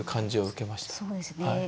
そうですね。